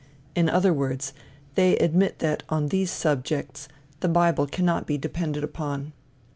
In other words, they admit that on these subjects, the bible cannot be depended upon.